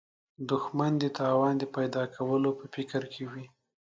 دښمن د تاوان د پیدا کولو په فکر کې وي